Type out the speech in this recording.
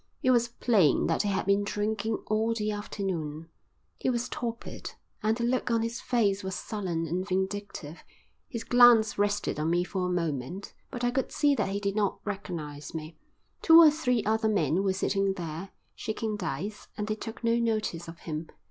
It was plain that he had been drinking all the afternoon. He was torpid, and the look on his face was sullen and vindictive. His glance rested on me for a moment, but I could see that he did not recognise me. Two or three other men were sitting there, shaking dice, and they took no notice of him.